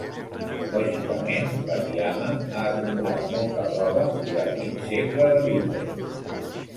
Lògicament, la tiama ha acumulat molta roba durant mig segle de viure-hi.